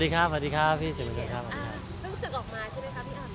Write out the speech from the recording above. เริ่มศึกออกมาใช่ไหมครับพี่อ๋อ